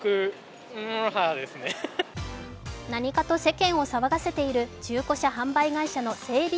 何かと世間を騒がせている中古車販売会社の整備